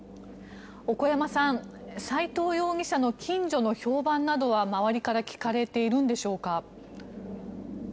小古山さん斎藤容疑者の近所の評判などは周りから聞かれているんでしょうか？